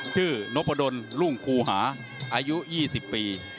นพดลรุ่งคูหาอายุ๒๐ปี